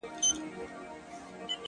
• شپه چي تياره سي ؛رڼا خوره سي؛